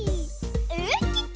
ウッキッキ！